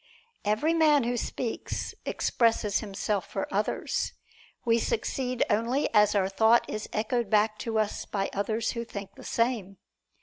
Every man who speaks, expresses himself for others. We succeed only as our thought is echoed back to us by others who think the same.